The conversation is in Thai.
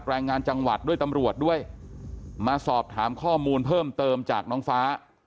แรงงานจังหวัดด้วยตำรวจด้วยมาสอบถามข้อมูลเพิ่มเติมจากน้องฟ้า